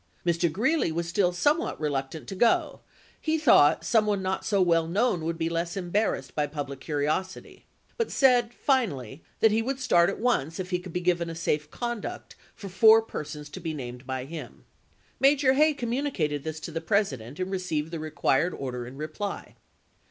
Mr. Greeley was still some what reluctant to go ; he thought some one not so well known would be less embarrassed by public curiosity ; but said finally that he would start at once if he could be given a safe conduct for four persons, to be named by him. Major Hay com municated this to the President and received the required order in reply.